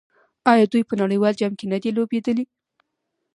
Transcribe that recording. آیا دوی په نړیوال جام کې نه دي لوبېدلي؟